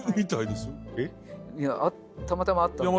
いやたまたまあったんで。